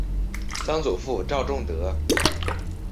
曾祖父赵仲德。